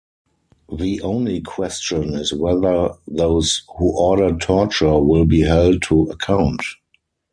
The only question is whether those who ordered torture will be held to account.